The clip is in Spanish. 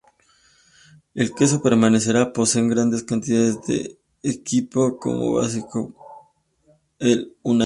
El queso parmesano posee grandes cantidades del quinto sabor básico, el umami.